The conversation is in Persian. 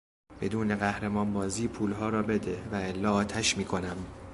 بدون قهرمان بازی پولها را بده و الا آتش میکنم!